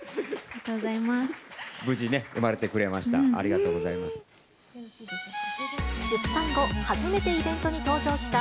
無事ね、産まれてくれました。